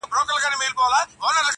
پاته په دې غرو کي د پېړیو حسابونه دي!.